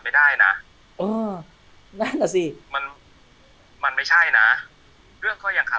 แล้วช่างคนนั้นเนี่ยหมอค่าเครื่องมือ